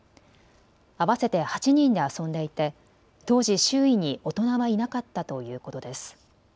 合わせて８人で遊んでいて当時、周囲に大人はいなかったということです。